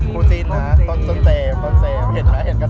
วันที่ไปถึงแบบคุยในที่สุดเราก็แบบมาก